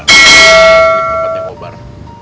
ke tempatnya cobar